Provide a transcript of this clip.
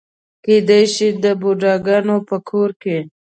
کېدای شي د بوډاګانو په کور کې.